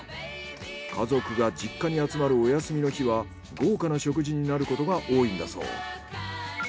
家族が実家に集まるお休みの日は豪華な食事になることが多いんだそう。